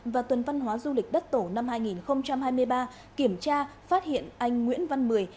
và tuần văn hóa du lịch đất tổ năm hai nghìn hai mươi ba kiểm tra phát hiện anh nguyễn văn mười